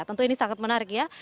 tentu ini sangat menarik ya